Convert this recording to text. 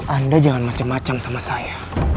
anda jangan macem macem sama saya